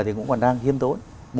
thì cũng còn đang hiếm tốn